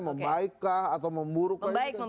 membaikkah atau memburuk membaik membaik